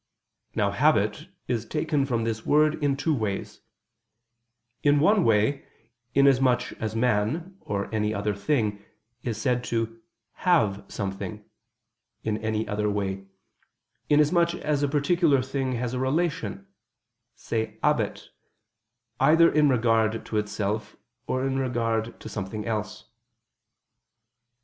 Now habit is taken from this word in two ways; in one way, inasmuch as man, or any other thing, is said to "have" something; in another way, inasmuch as a particular thing has a relation (se habet) either in regard to itself, or in regard to something else.